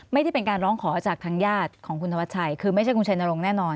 ไม่ได้เป็นการร้องขอจากทางญาติของคุณธวัชชัยคือไม่ใช่คุณชัยนรงค์แน่นอน